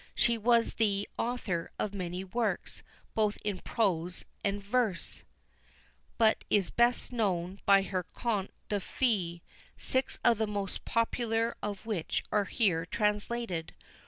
She was the author of many works, both in prose and verse, but is best known by her Contes des Fées, six of the most popular of which are here translated.